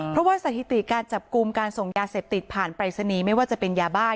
เพราะว่าสถิติการจับกลุ่มการส่งยาเสพติดผ่านปรายศนีย์ไม่ว่าจะเป็นยาบ้า